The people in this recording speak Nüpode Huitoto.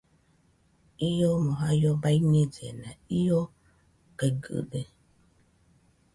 Iomo jaio baiñellena, io gaigɨde